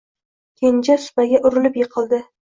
Kenja supaga urilib yiqildi.